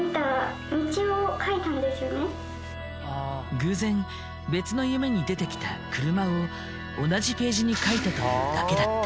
偶然別の夢に出てきた「車」を同じページに書いたというだけだった。